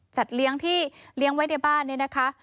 สัตว์เลี้ยงที่เลี้ยงไว้ในบ้านนี้นะคะ